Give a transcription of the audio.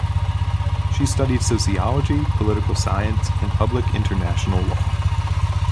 She studied sociology, political science and public international law.